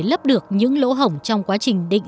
lấp được những lỗ hổng trong quá trình định